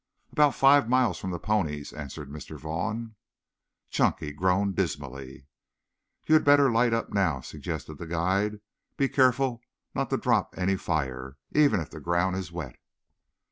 "About five miles from the ponies," answered Mr. Vaughn. Chunky groaned dismally. "You had better light up now," suggested the guide. "Be careful not to drop any fire, even if the ground is wet."